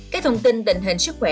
các thông tin tình hình sức khỏe